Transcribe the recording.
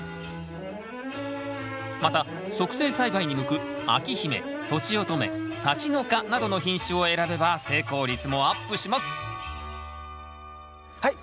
また促成栽培に向く章姫とちおとめさちのかなどの品種を選べば成功率もアップしますはい！